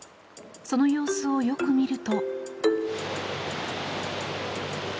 その様子をよく見ると。